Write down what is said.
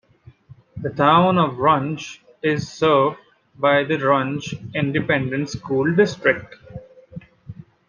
The Town of Runge is served by the Runge Independent School District.